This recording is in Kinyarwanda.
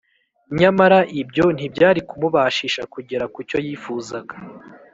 . Nyamara ibyo ntibyari kumubashisha kugera ku cyo yifuzaga